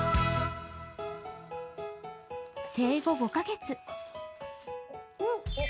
生後５カ月。